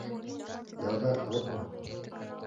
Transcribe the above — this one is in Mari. Яргак — вот мо.